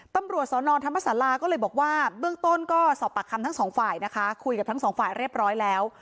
ตำรวจสนธรรมศาลาก็เลยบอกว่าเบื้องต้นก็สอบปากคำทั้งสองฝ่ายนะคะคุยกับทั้งสองฝ่ายเรียบร้อยแล้ว